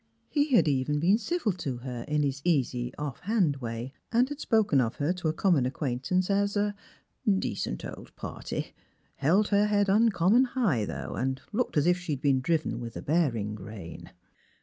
He had even been civil to her in his easy off hand way, and had spoken of her to a common acquaint ance as a *' decent old party ;"" held her head uncommon high, though, and looked as if she'd been driven with a bearing rein."